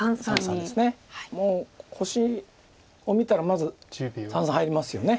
もう星を見たらまず三々入りますよね。